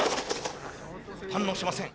反応しません。